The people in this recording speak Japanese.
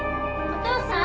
お父さん！